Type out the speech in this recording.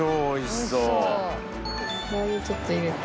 ラー油をちょっと入れて。